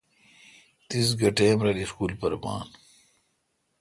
تیس گہ ٹیم رل اسکول پر بان